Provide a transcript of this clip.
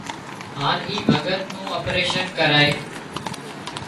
هانَ اِي ڀڳت نُون اپريشين ڪرايون